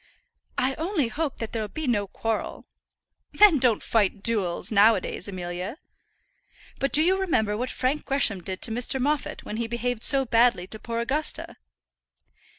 "I only hope that there'll be no quarrel." "Men don't fight duels now a days, Amelia." "But do you remember what Frank Gresham did to Mr. Moffat when he behaved so badly to poor Augusta?"